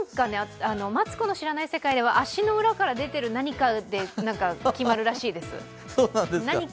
「マツコの知らない世界」では足の裏から出ている何かで決まるらしいです。